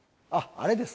あれです。